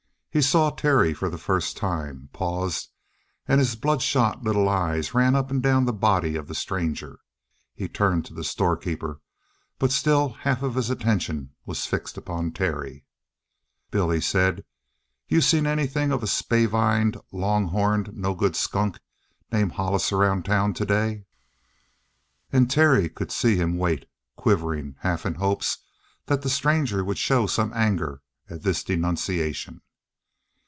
He saw Terry for the first time, paused, and his bloodshot little eyes ran up and down the body of the stranger. He turned to the storekeeper, but still half of his attention was fixed upon Terry. "Bill," he said, "you seen anything of a spavined, long horned, no good skunk named Hollis around town today?" And Terry could see him wait, quivering, half in hopes that the stranger would show some anger at this denunciation.